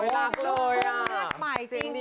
เป็นแก่คุณผู้ชม